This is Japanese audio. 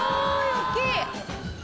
大っきい！